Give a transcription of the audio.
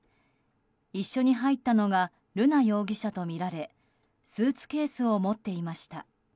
一緒に入ったのが瑠奈容疑者とみられスーツケースを持っていました。